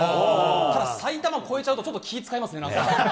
ただ、埼玉超えちゃうとちょっと気遣いますね、なんか。